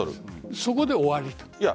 そこで終わりと。